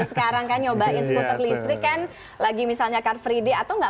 sekarang kan nyobain skuter listrik kan lagi misalnya car free day atau nggak